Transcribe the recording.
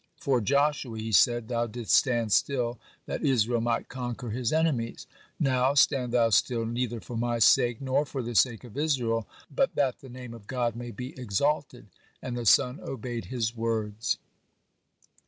"For Joshua," he said, "thou didst stand still that Israel might conquer his enemies; now stand thou still, neither for my sake, nor for the sake of Israel, but that the Name of God may be exalted." And the sun obeyed his words.